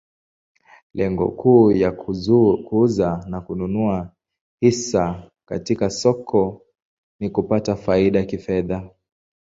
Lengo kuu ya kuuza na kununua hisa katika soko ni kupata faida kifedha.